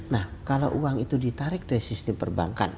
nah kalau uang itu ditarik dari sistem perbankan